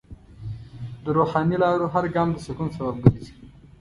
د روحاني لارو هر ګام د سکون سبب ګرځي.